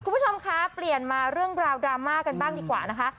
คุณผู้ชมคะเปลี่ยนมาเรื่องราวดราม่ากันบ้างดีกว่านะคะ